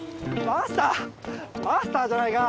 マスターじゃないか。